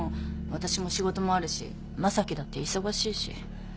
私も仕事もあるし正樹だって忙しいし。